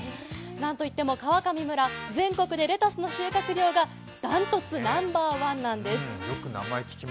なんといっても川上村全国でレタスの収穫量が断トツナンバーワンなんです。